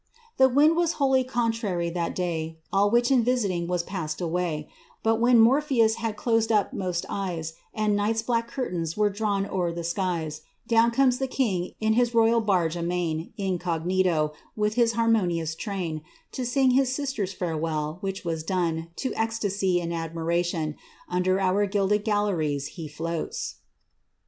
The wind was wholly contrary that day, All which in visiting was past away ; But when Morpheus had closed up most eyes, And night's black curtains were drawn o'er ths skies, IViwn cornes Uie king in 's ro}'aI barge amain, Incognito, with his harmonious train, To sing his sister's farewell, which was done, To oci>tasy and admiration. Under our gilded galleries be floats."